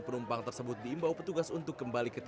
yang jelasnya bagi pekerja mungkin bermasalah